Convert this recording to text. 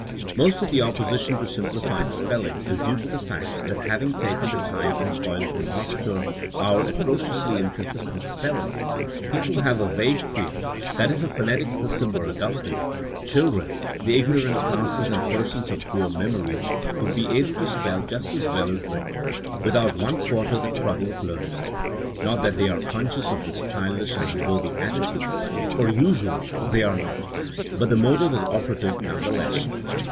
Most of the opposition to simpli fied spelling is due to the fact that having taken the time and toil to master our atrociously in consistent spelling, people have a vague fear that if a phonetic system were adopted, chil dren, the ignorant classes and persons of poor memories would be able to spell just as well as they, without one quarter the trouble of learn ing. Not that they are conscious of this child ish and unworthy attitude, for usually they are not, but the motive is operative none the less.